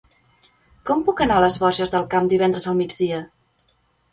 Com puc anar a les Borges del Camp divendres al migdia?